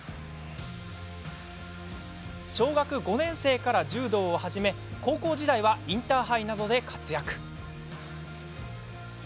小学５年生から柔道を始め高校時代はインターハイなどで活躍。